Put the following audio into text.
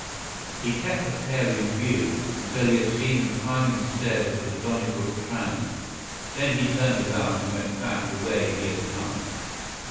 He kept the pair in view until he had seen them climbing the stairs of the Donnybrook tram; then he turned about and went back the way he had come.